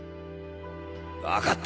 分かった。